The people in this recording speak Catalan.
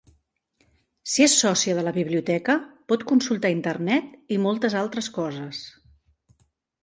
Si és sòcia de la biblioteca, pot consultar Internet i moltes altres coses.